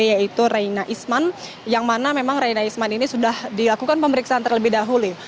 yaitu reina isman yang mana memang reina isman ini sudah dilakukan pemeriksaan terlebih dahulu